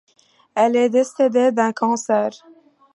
Elle est décédée d'un cancer.